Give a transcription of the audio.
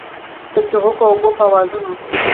د چوغکو او اوبو په آوازونو